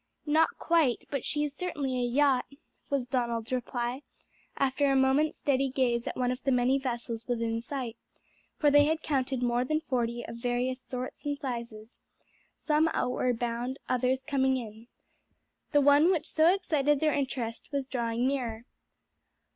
"Not quite, but she is certainly a yacht," was Donald's reply, after a moment's steady gaze at one of the many vessels within sight; for they had counted more than forty of various sorts and sizes, some outward bound, others coming in. The one which so excited their interest was drawing nearer.